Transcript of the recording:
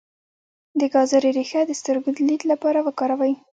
د ګازرې ریښه د سترګو د لید لپاره وکاروئ